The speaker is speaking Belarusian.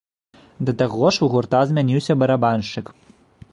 Да таго ж у гурта змяніўся барабаншчык.